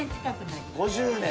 ５０年？